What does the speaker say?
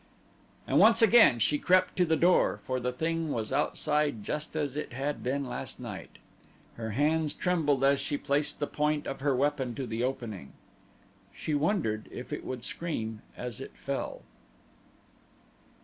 And once again she crept to the door, for the thing was outside just as it had been last night. Her hands trembled as she placed the point of her weapon to the opening. She wondered if it would scream as it fell.